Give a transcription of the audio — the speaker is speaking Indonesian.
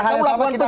kamu lakukan tuh